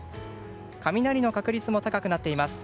雷の確率も高くなっています。